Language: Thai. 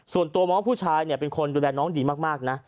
ส่วนตัวมองว่าผู้ชายเป็นคนดูแลน้องดีมากนะ